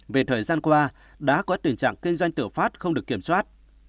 vì thời gian qua đã có tình trạng kinh doanh tựa phát không được kiểm soát